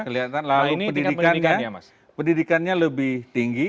lalu pendidikannya lebih tinggi